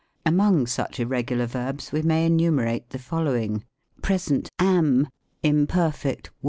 Among such Irregular Verbs we may enumerate the following :— PRESENT. I.M PERFECT.